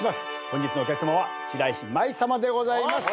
本日のお客さまは白石麻衣さまでございます。